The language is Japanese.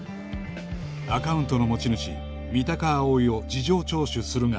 アカウントの持ち主三鷹蒼を事情聴取するが